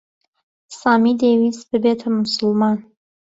سامی دەیویست ببێتە موسڵمان.